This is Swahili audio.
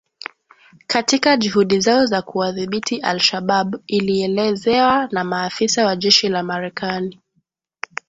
katika juhudi zao za kuwadhibiti al-Shabaab ilielezewa na maafisa wa jeshi la Marekani